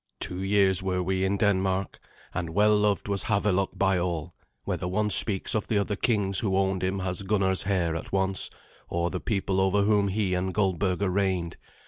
Two years were we in Denmark, and well loved was Havelok by all, whether one speaks of the other kings who owned him as Gunnar's heir at once, or the people over whom he and Goldberga reigned.